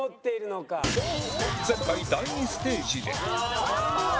前回第２ステージで